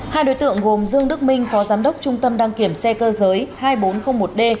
hai đối tượng gồm dương đức minh phó giám đốc trung tâm đăng kiểm xe cơ giới hai nghìn bốn trăm linh một d